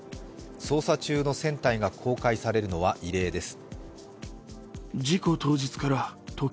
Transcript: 捜査中の船体が公開されるのは異例です。